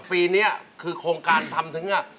ปีนี้คือโครงการทำถึง